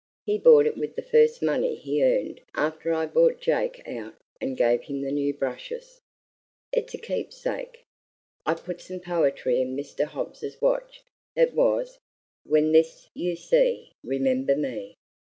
He bought it with the first money he earned after I bought Jake out and gave him the new brushes. It's a keepsake. I put some poetry in Mr. Hobbs's watch. It was, 'When this you see, remember me.'